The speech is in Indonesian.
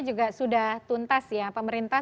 juga sudah tuntas ya pemerintah